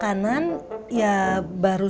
kalau punya adik adik